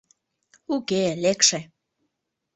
— Уке, лекше!